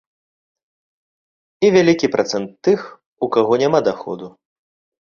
І вялікі працэнт тых, у каго няма даходу.